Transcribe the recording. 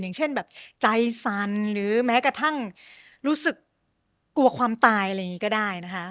อย่างเช่นแบบใจสั่นหรือแม้กระทั่งรู้สึกกลัวความตายอะไรอย่างนี้ก็ได้นะคะ